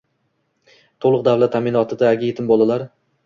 To‘liq davlat ta’minotidagi yetim bolalar